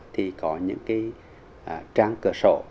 thì có những cái trang cửa sổ